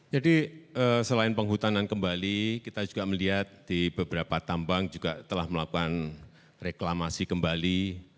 jadi selain penghutanan kembali kita juga melihat di beberapa tambang juga telah melakukan reklamasi kembali